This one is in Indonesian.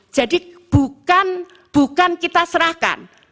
jadi bukan kita serahkan